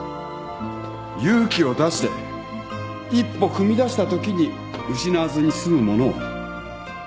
勇気を出して一歩踏み出したときに失わずに済むものを。